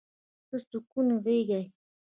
• ته د سکون غېږه یې.